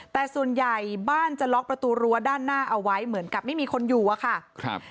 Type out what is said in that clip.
แต่ส่วนใหญ่บ้านจะล็อกประตูรั้วด้านหน้าเอาไว้เหมือนกับไม่มีคนอยู่อะค่ะครับ